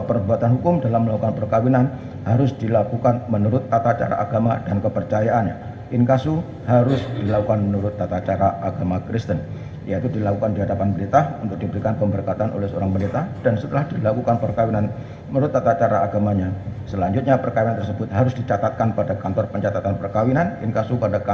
pertama penggugat akan menerjakan waktu yang cukup untuk menerjakan si anak anak tersebut yang telah menjadi ilustrasi